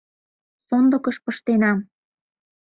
Сондыкыш пыштенам.